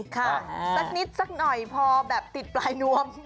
สักนิดสักหน่อยพอแบบติดปลายนวม